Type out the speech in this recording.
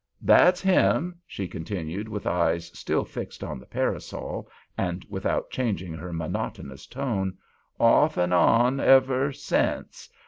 "That's him," she continued, with eyes still fixed on the parasol and without changing her monotonous tone—"off and on ever since.